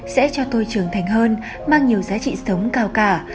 sẽ cho tôi trưởng thành hơn mang nhiều giá trị sống cao cả